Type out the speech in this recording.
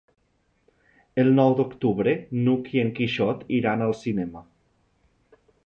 El nou d'octubre n'Hug i en Quixot iran al cinema.